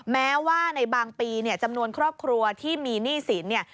แม้ว่าในบางปีเนี่ยจำนวนครอบครัวที่มีหนี้สินเนี่ย